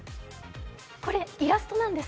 これ、イラストなんです。